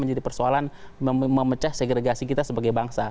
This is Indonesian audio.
jadi persoalan memecah segregasi kita sebagai bangsa